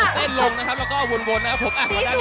สีสวยมาก